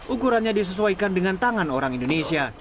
ukurannya disesuaikan dengan tangan orang indonesia